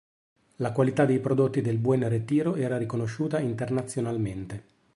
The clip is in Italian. La qualità dei prodotti del Buen Retiro era riconosciuta internazionalmente.